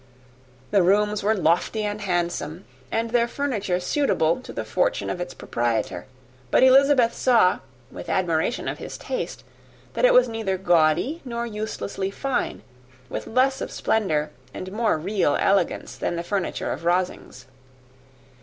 The rooms were lofty and handsome, and their furniture suitable to the fortune of their proprietor; but Elizabeth saw, with admiration of his taste, that it was neither gaudy nor uselessly fine, with less of splendour, and more real elegance, than the furniture of Rosings.